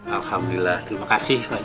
alhamdulillah terima kasih